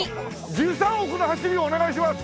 １３億の走りをお願いします！